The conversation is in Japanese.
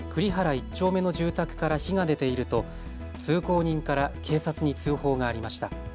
１丁目の住宅から火が出ていると通行人から警察に通報がありました。